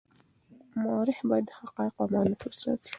مورخ باید د حقایقو امانت وساتي.